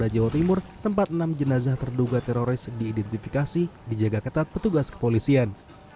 di jawa timur tempat enam jenazah terduga teroris diidentifikasi dijaga ketat petugas kepolisian